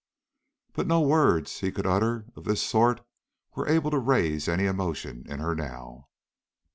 But no words he could utter of this sort were able to raise any emotion in her now.